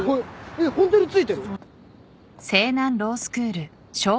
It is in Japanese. えっホントについてる？